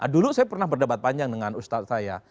dulu saya pernah berdebat panjang dengan ustadz saya